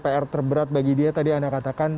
pr terberat bagi dia tadi anda katakan